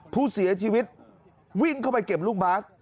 ผู้เสียชีวิตวิ่งเข้าไปเก็บลูกบาส